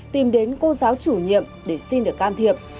tìm đến cô giáo chủ nhiệm để xin được can thiệp